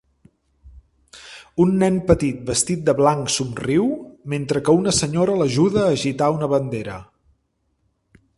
Un nen petit vestit de blanc somriu mentre que una senyora l'ajuda a agitar una bandera.